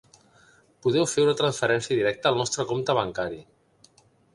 Podeu fer una transferència directa al nostre compte bancari.